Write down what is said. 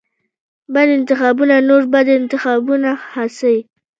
بد انتخابونه نور بد انتخابونه هڅوي.